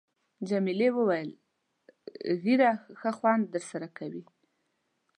جميلې وويل:، ږیره ښه خوند در سره کوي.